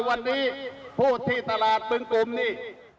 วันนี้พูดที่ตลาดบึงกลุ่มนี่